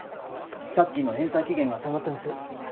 借金の返済期限が迫ってます。